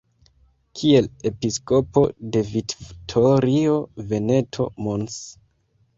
Kiel Episkopo de Vittorio Veneto, Mons.